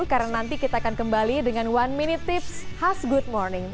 karena nanti kita akan kembali dengan one minute tips khas good morning